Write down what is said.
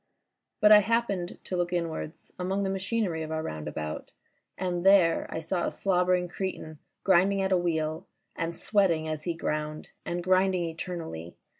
But I happened to look inwards among the machyiery of our roundabout, and there I saw a slobbering cretin grinding at a wheel and sweating as he ground, and grinding eternally.